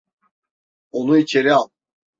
Onu içeri al.